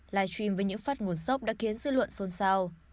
live stream với những phát nguồn sốc đã khiến dư luận xôn xao